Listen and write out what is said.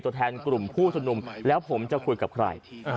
เป็นโดทแทนกลุ่มผู้ศุษย์นุ่มแล้วผมจะคุยกับใคร